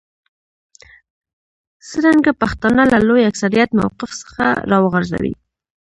څرنګه پښتانه له لوی اکثریت موقف څخه راوغورځوي.